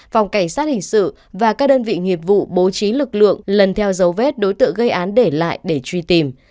phòng cảnh sát hình sự và các đơn vị nghiệp vụ bố trí lực lượng lần theo dấu vết đối tượng gây án để lại để truy tìm